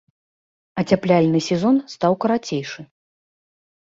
Ацяпляльны сезон стаў карацейшы.